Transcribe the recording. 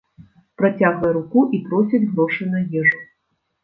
Працягвае руку і просіць грошы на ежу.